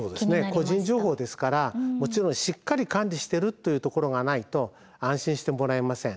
個人情報ですからもちろんしっかり管理してるというところがないと安心してもらえません。